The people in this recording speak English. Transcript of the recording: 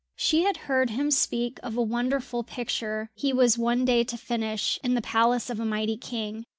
She had heard him speak of a wonderful picture he was one day to finish in the palace of a mighty king.